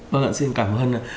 vâng ạ xin cảm ơn